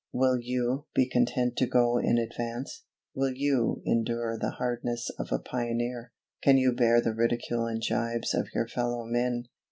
Will you be content to go in advance? Will you endure the hardness of a pioneer? Can you bear the ridicule and gibes of your fellow men?